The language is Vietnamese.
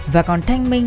và còn thanh minh